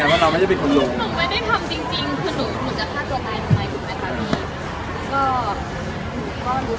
แล้วเออก็เลยแบบว่าลบไปเลยละกัน